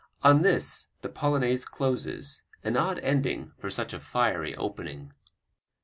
On this the Polonaise closes, an odd ending for such a fiery opening.